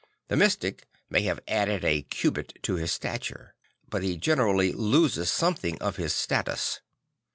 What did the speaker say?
The mystic may have added a cubit to his stature; but he generally loses something of his status.